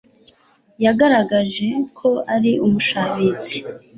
yagaragaje ko ari umushabitsi